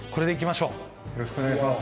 よろしくお願いします